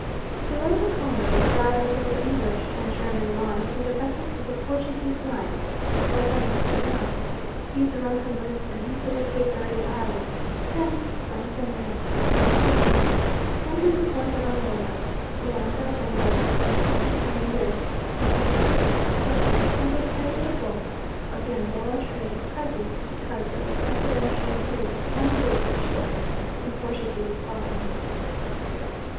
Below the Congo the rivals of the English and German lines are the vessels of the Portuguese line, Empreza Nacional. These run from Lisbon to the Cape Verde Islands, thence to San Thome and Principe, then to the ports of Angola (Loanda, Benguella, Mossamedes, Ambrizette, etc.), and they carry the bulk of the Angola trade at present, because of the preferential dues on goods shipped in Portuguese bottoms.